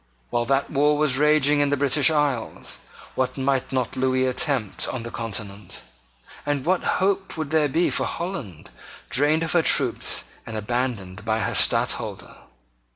While that war was raging in the British Isles, what might not Lewis attempt on the Continent? And what hope would there be for Holland, drained of her troops and abandoned by her Stadtholder?